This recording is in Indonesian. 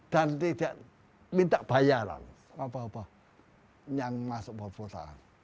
dan tidak minta bayaran apa apa yang masuk perpustakaan